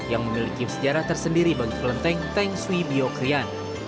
yang memiliki sejarah tersendiri bagi kelenteng teng sui bio krian